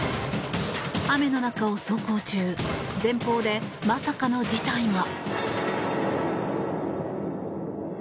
雨の中を走行中前方でまさかの事態が。